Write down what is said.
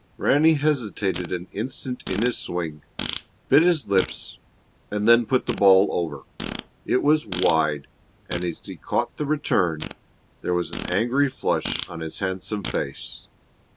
Ranny hesitated an instant in his swing, bit his lips, and then put the ball over. It was wide, and, as he caught the return, there was an angry flush on his handsome face.